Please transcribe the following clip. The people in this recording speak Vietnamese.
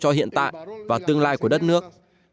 cho hiện tại và tương lai của đất nước